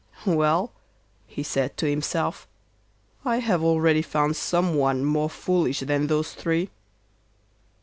'Well,' he said to himself, 'I have already found someone more foolish than those three.